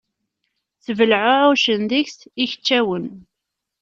Ttbelɛuεucen deg-s ikeččawen.